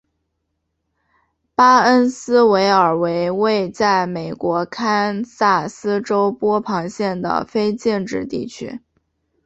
巴恩斯维尔为位在美国堪萨斯州波旁县的非建制地区。